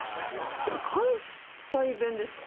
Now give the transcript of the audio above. でも関西弁ですか？